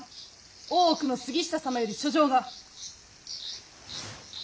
大奥の杉下様より書状が。